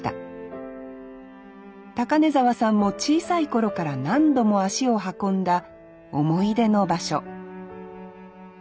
高根沢さんも小さい頃から何度も足を運んだ思い出の場所